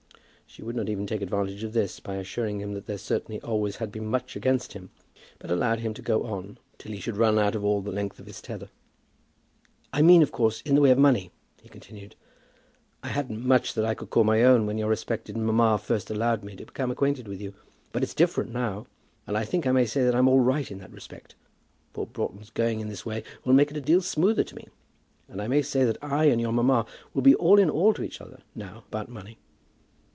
She would not even take advantage of this by assuring him that there certainly always had been much against him, but allowed him to go on till he should run out all the length of his tether. "I mean, of course, in the way of money," he continued. "I hadn't much that I could call my own when your respected mamma first allowed me to become acquainted with you. But it's different now; and I think I may say that I'm all right in that respect. Poor Broughton's going in this way will make it a deal smoother to me; and I may say that I and your mamma will be all in all to each other now about money."